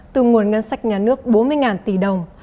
từ nguồn ngân sách nhà nước bốn mươi tỷ đồng